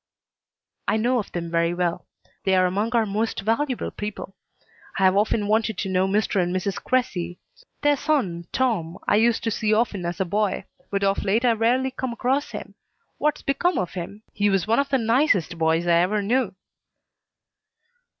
"I know of them very well. They are among our most valuable people. I have often wanted to know Mr. and Mrs. Cressy. Their son, Tom, I used to see often as a boy, but of late I rarely come across him. What's become of him? He was one of the nicest boys I ever knew."